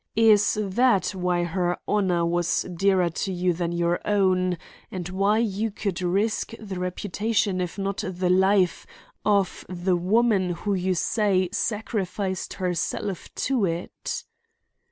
Is that why her honor was dearer to you than your own, and why you could risk the reputation if not the life of the woman who you say sacrificed herself to it?"